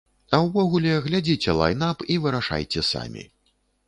А ўвогуле, глядзіце лайн-ап і вырашайце самі.